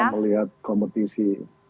bagaimana melihat kompetisi